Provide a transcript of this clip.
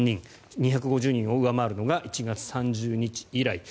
２５０人を上回るのが１月３０日以来。